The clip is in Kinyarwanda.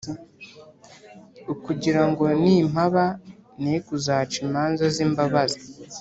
Ukugira ngo nimpaba ne kuzaca imanza z imbabazi